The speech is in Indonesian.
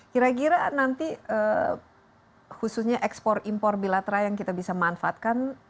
kira kira nanti khususnya ekspor impor bilateral yang kita bisa manfaatkan